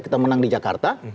kita menang di jakarta